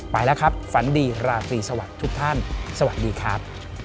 ไปแล้วครับฝันดีราตรีสวัสดีทุกท่านสวัสดีครับ